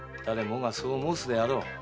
誰もがそう申すであろう。